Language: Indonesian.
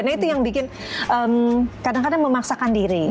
nah itu yang bikin kadang kadang memaksakan diri